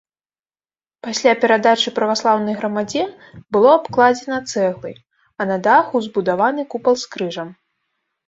Пасля перадачы праваслаўнай грамадзе было абкладзена цэглай, а на даху збудаваны купал з крыжам.